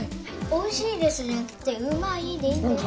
「おいしいです」じゃなくて「うまい」でいいんだよ。